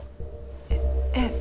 えっえっ？